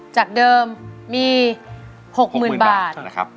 จากเดิมมี๖หมื่นบาทนะครับ